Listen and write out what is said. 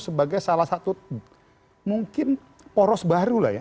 sebagai salah satu mungkin poros baru lah ya